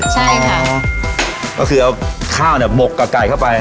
ใช่ค่ะก็คือเอาข้าวเนี่ยหมกกับไก่เข้าไป